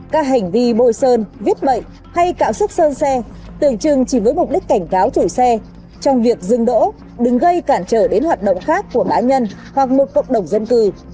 các hành vi bôi sơn viết bậy hay cạo sức sơn xe tưởng chừng chỉ với mục đích cảnh cáo chủ xe trong việc dừng đỗ đừng gây cản trở đến hoạt động khác của cá nhân hoặc một cộng đồng dân cư